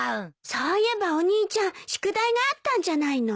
そういえばお兄ちゃん宿題があったんじゃないの？